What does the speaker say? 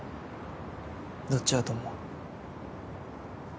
どっちだと思う？